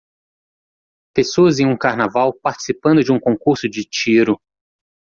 Pessoas em um carnaval participando de um concurso de tiro.